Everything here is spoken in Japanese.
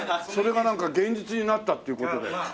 それがなんか現実になったっていう事で。